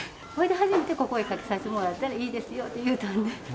初めてここにかけさせてもらったら、いいですよと言うたんで。